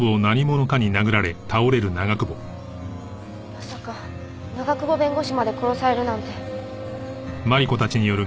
まさか長久保弁護士まで殺されるなんて。